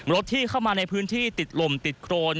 รถที่เข้ามาในพื้นที่ติดลมติดโครน